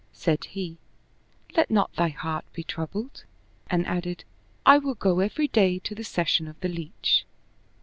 Said he, " Let not thy heart be troubled," and added, " I will go every day to the session of the leach."